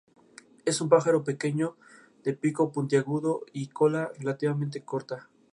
Es un pájaro pequeño de pico puntiagudo y cola relativamente corta.